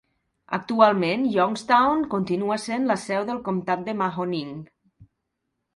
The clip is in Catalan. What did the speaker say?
Actualment, Youngstown continua sent la seu del comtat de Mahoning.